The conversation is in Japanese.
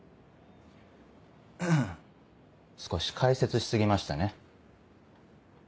少し解説し過ぎましたね。